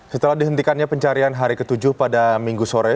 setelah dihentikannya pencarian hari ke tujuh pada minggu sore